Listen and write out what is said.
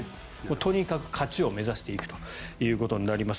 とにかく勝ちを目指していくことになります。